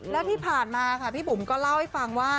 แล้วที่ผ่านมาค่ะพี่บุ๋มก็เล่าให้ฟังว่า